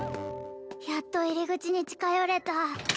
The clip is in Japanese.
やっと入り口に近寄れた